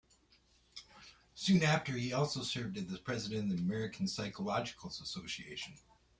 Soon after, he also served as the president of the American Psychological Association.